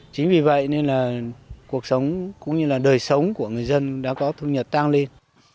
chính vì vậy nên là cuộc sống cũng như là đời sống của người dân đã có thu nhật tăng lên